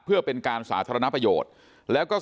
เพื่อเป็นการสาธารณประโยชน์แล้วก็